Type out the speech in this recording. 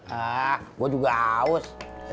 hah gua juga haus